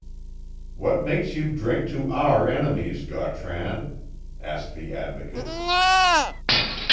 "What makes you drink to our enemies, Gautran?" asked the Advocate.